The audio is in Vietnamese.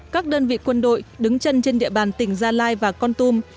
các đơn vị quân đội đứng chân trên địa bàn tỉnh gia lai và con tum